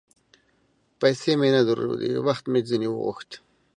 پیسې مې نه درلودې ، وخت مې ځیني وغوښت